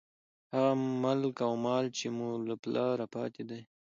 هغه ملک او مال، چې مو له پلاره پاتې دى.